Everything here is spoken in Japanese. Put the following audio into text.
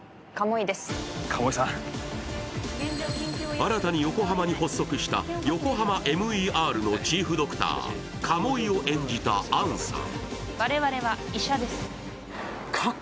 新たに横浜に発足したＹＯＫＯＨＡＭＡＭＥＲのチーフドクター鴨居を演じた杏さん。